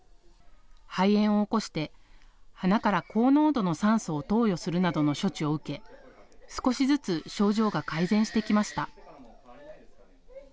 肺炎を起こして、鼻から高濃度の酸素を投与するなどの処置を受け少しずつ症状が改善してきました。